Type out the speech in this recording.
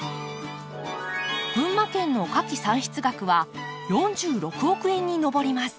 群馬県の花き産出額は４６億円に上ります。